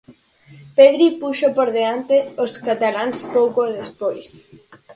Pedri puxo por diante aos cataláns pouco despois.